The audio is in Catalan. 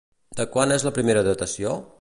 De quan és la primera datació?